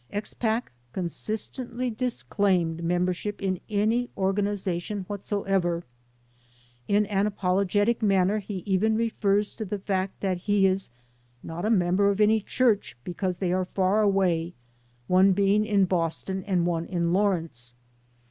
Expak consistently disclaimed membership in any or ganization whatsoever. In an apologetic manner he even refers to the fact that he is "not a member of any Church because they are far away, one being in Boston and one in Lawrence."